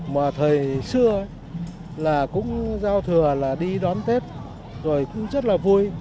mà thời xưa là cũng giao thừa là đi đón tết rồi cũng rất là vui